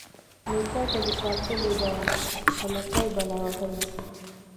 نو چاته دې ساتلې ده خولكۍ بلا وهلې.